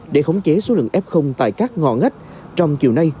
để khống chế số lượng f tại các ngò ngách trong chiều nay